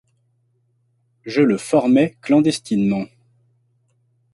Je le formais clandestinement.